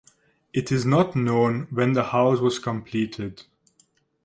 It is not known when the house was completed.